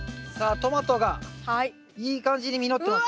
トマトがいい感じに実ってますよ。